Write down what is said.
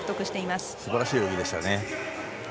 すばらしい泳ぎでしたね。